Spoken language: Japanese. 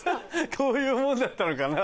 こういうもんだったのかな？